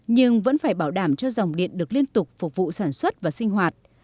nhưng vẫn phải bảo đảm cho dòng điện được liên tục phục vụ sản xuất và sinh hoạt